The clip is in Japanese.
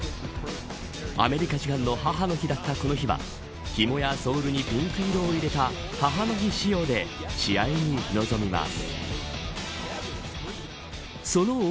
アメリカ時間の母の日だったこの日はひもやソールにピンク色を入れた母の日仕様で試合に臨みます。